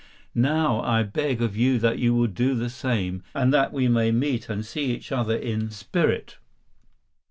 Now I beg of you that you will do the same, so that we may meet and see each other in spirit.